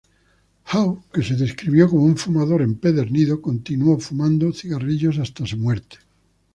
Haw, que se describió como un fumador empedernido, continuó fumando cigarrillos hasta su muerte.